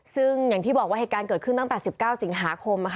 ซึ่งอย่างที่บอกว่าเหตุการณ์เกิดขึ้นตั้งแต่๑๙สิงหาคม